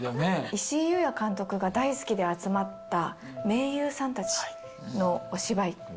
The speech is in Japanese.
石井裕也監督が大好きで集まった名優さんたちのお芝居。